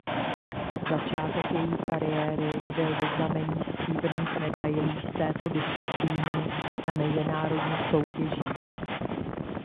Začátek její kariéry byl ve znamení stříbrných medailí z této disciplíny na mezinárodních soutěžích.